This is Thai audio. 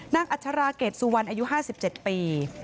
อัชราเกรดสุวรรณอายุ๕๗ปี